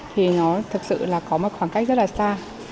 thì nó thực sự là có một khoảng cách rất là xa